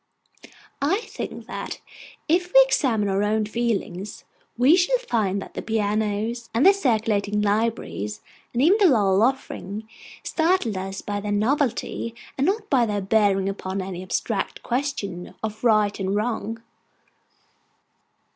I think that if we examine our own feelings, we shall find that the pianos, and the circulating libraries, and even the Lowell Offering, startle us by their novelty, and not by their bearing upon any abstract question of right or wrong.